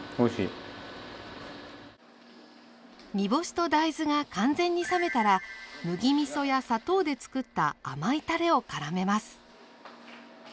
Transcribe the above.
煮干しと大豆が完全に冷めたら麦みそや砂糖でつくった甘いたれをからめます。